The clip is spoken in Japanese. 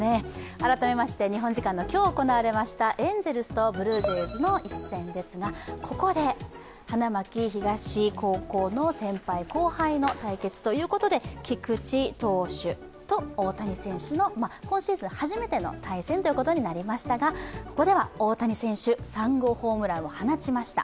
改めまして日本時間の今日、行われましたエンゼルスとブルージェイズの一戦ですがここで花巻東高校の先輩・後輩の対決ということで菊池投手と大谷選手の今シーズン初めての対戦ということになりましたがここでは大谷選手、３号ホームランを放ちました。